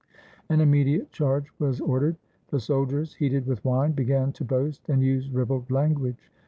An immediate charge was ordered. The soldiers, heated with wine, began to boast and use ribald language.